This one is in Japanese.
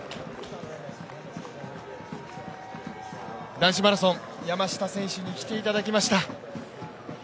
男子マラソン山下選手に来ていただきました。